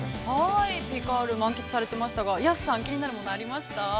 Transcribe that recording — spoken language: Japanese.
◆ピカール、満喫されてましたが安さん、気になるものありました？